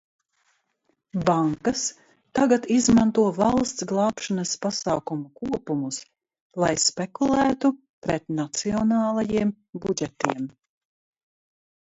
Bankas tagad izmanto valsts glābšanas pasākumu kopumus, lai spekulētu pret nacionālajiem budžetiem.